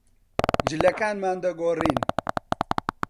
جلەکانمان دەگۆڕین.